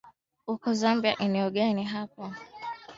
uko zambia eneo gani hapo ee hapa mi niko